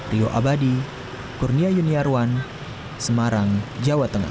rio abadi kurnia yuniarwan semarang jawa tengah